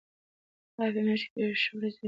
آیا په میاشت کې دېرش ورځې وي؟